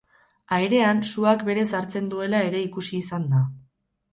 Airean suak berez hartzen duela ere ikusi izan da.